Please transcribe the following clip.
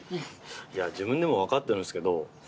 いや自分でもわかってるんですけど。